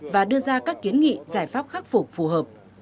và đưa ra các kiến nghị giải pháp khắc phục phù hợp